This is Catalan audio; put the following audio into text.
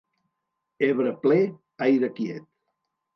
Ebre ple, aire quiet.